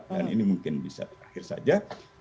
dan ini mungkin bisa terakhir saja